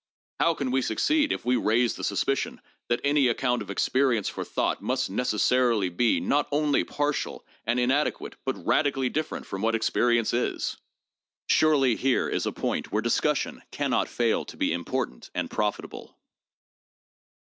How can we succeed if we raise the suspicion that any account of experience for thought must necessarily be, not only partial and inadequate, but radically different from what experience is ? Surely here is a point where discussion can not fail to be important and profitable.